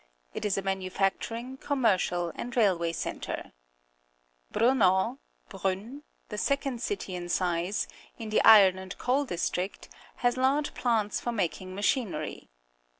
It is a manufacturing, commercial, and railway centre. Brno {Briinn), the second city in size, in the iron and coal district, has large plants for making machinery.